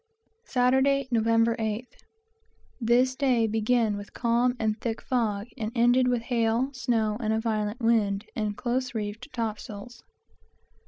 Saturday, Nov. 8th. This day commenced with calm and thick fog, and ended with hail, snow, a violent wind, and close reefed topsails.